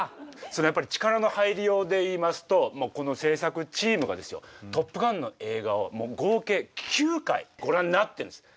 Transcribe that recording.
それはやっぱり力の入りようでいいますとこの制作チームがですよ「トップガン」の映画を合計９回ご覧になってるんです。